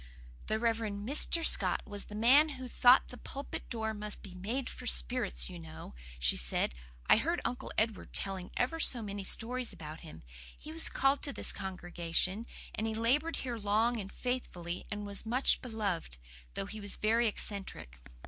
"The Rev. Mr. Scott was the man who thought the pulpit door must be made for speerits, you know," she said. "I heard Uncle Edward telling ever so many stories about him. He was called to this congregation, and he laboured here long and faithfully, and was much beloved, though he was very eccentric."